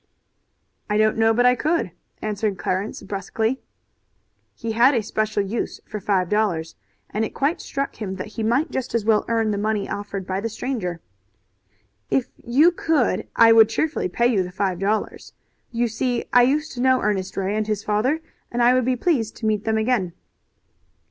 "I don't know but I could," answered Clarence brusquely. He had a special use for five dollars, and it struck him that he might just as well earn the money offered by the stranger. "If you could I would cheerfully pay you the five dollars. You see I used to know Ernest Ray and his father, and I would be pleased to meet them again."